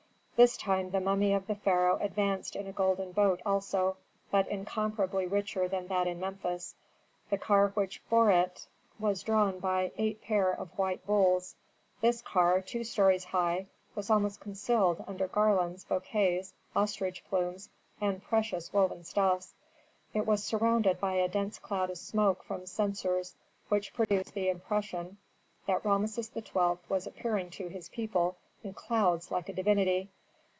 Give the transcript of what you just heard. This time the mummy of the pharaoh advanced in a golden boat also, but incomparably richer than that in Memphis. The car which bore it was drawn by eight pair of white bulls; this car, two stories high, was almost concealed under garlands, bouquets, ostrich plumes, and precious woven stuffs. It was surrounded by a dense cloud of smoke from censers, which produced the impression that Rameses XII. was appearing to his people in clouds like a divinity.